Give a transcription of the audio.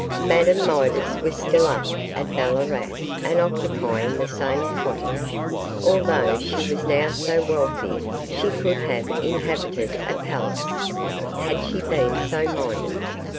Madame Midas was still up at Ballarat and occupying the same cottage, although she was now so wealthy she could have inhabited a palace, had she been so minded.